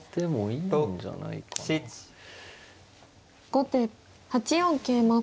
後手８四桂馬。